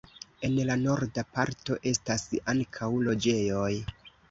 En la norda parto estas ankaŭ loĝejoj.